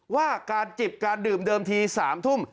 ว่าการจิบการดื่มเดิมที๓ทุ่ม